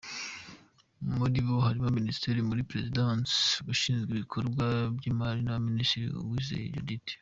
Muri bo harimo Minisitiri muri Perezidansi ushinzwe ibikorwa by’ imana y’ abaminisitiri Uwizeye Judith.